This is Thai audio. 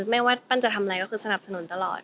ไม่ว่าปั้นจะทำอะไรก็คือสนับสนุนตลอด